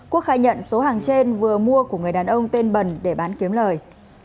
quốc khai nhận số hàng trên vừa mua của người đàn ông tên bần để bán kiếm lời